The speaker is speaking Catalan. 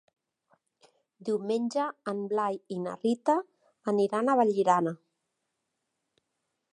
Diumenge en Blai i na Rita aniran a Vallirana.